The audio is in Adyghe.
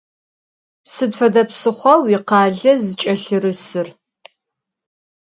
Sıd fede psıxhua vuikhale zıç'elhırısır?